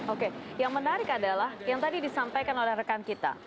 oke yang menarik adalah yang tadi disampaikan oleh rekan kita